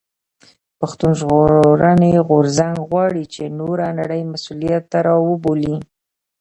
پښتون ژغورني غورځنګ غواړي چې نوره نړۍ مسؤليت ته راوبولي.